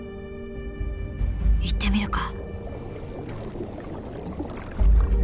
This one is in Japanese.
行ってみるか」。